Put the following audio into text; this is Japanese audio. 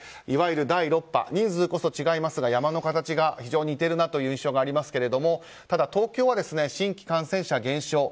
いわゆる第６波人数こそ違いますが山の形が非常に似ているなという印象がありますがただ、東京は新規感染者減少。